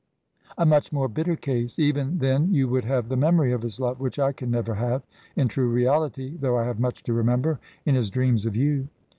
"A much more bitter case. Even then you would have the memory of his love, which I can never have in true reality, though I have much to remember, in his dreams of you."